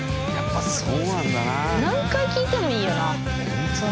何回聴いてもいいよな。